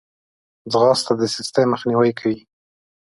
ځغاسته د سستي مخنیوی کوي